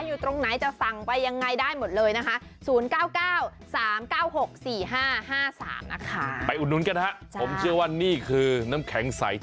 อยู่ตรงไหนจะสั่งไปยังไงได้หมดเลยนะคะ